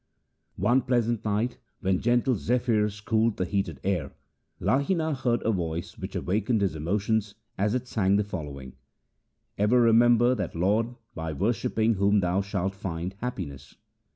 One pleasant night when gentle zephyrs cooled the heated air, Lahina heard a voice which awakened his emotions as it sang the following :— Ever remember that Lord by worshipping whom thou shalt find happiness.